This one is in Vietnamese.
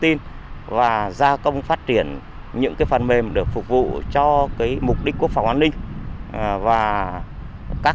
tin và gia công phát triển những cái phần mềm được phục vụ cho cái mục đích quốc phòng an ninh và các